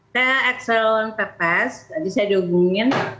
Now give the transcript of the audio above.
saya ekselen pepes jadi saya dihubungin